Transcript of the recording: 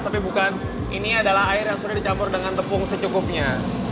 tapi bukan ini adalah air yang sudah dicampur dengan tepung secukupnya